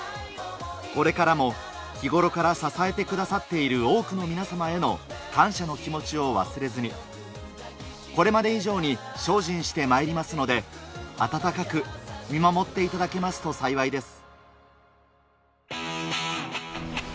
これからも、日頃から支えてくださっている多くの皆様への感謝の気持ちを忘れずに、これまで以上に精進してまいりますので、温かく見守っていただけますと幸いです。